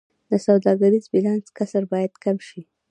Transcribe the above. د سوداګریز بیلانس کسر باید کم شي